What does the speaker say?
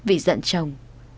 vì giận chồng